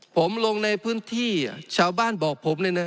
ผมลงในพื้นที่ชาวบ้านบอกผม